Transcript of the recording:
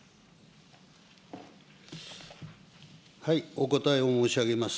お答えを申し上げます。